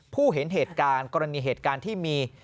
เห็นเหตุการณ์กรณีเหตุการณ์ที่มี